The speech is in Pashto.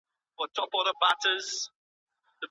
چې پر څپو الوځي